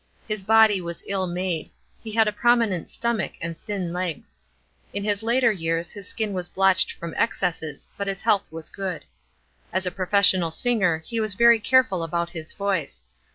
His body was ill made ; he had a prominent stomach and thin legs. In his later years his skin was blotched from excesses ; but his health was good. As a professional singer, he was very careful about his voice.